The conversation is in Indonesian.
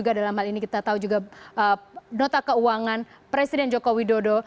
dan dalam hal ini kita tahu juga nota keuangan presiden joko widodo